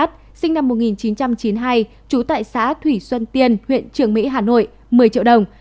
sinh năm một nghìn chín trăm chín mươi hai trú tại xã thủy xuân tiên huyện trường mỹ hà nội một mươi triệu đồng